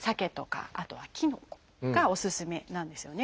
あとはきのこがおすすめなんですよね。